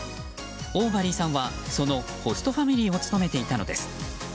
オーバリーさんはそのホストファミリーを務めていたのです。